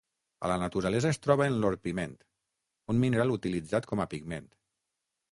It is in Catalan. A la naturalesa es troba en l'orpiment, un mineral utilitzat com a pigment.